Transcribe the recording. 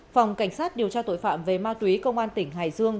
phòng cảnh sát điều tra tội phạm về ma túy công an tỉnh hải dương